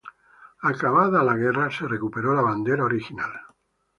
Acabada la guerra, se recuperó la bandera original.